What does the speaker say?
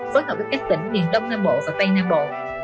phối hợp với các tỉnh miền đông nam bộ và tây nam bộ